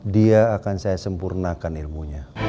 dia akan saya sempurnakan ilmunya